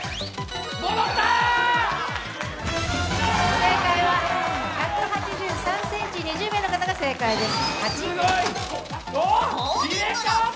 正解は１８３ｍ、２０名の方が正解です。